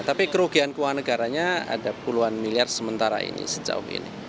tapi kerugian keuangan negaranya ada puluhan miliar sementara ini sejauh ini